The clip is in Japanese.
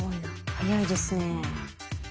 早いですね。